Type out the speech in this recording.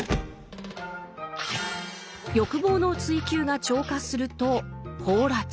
欲望の追求が超過すると「放埓」。